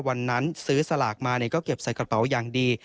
วันนั้นซื้อสลากมาก็เก็บใส่กระเป๋าอย่างดี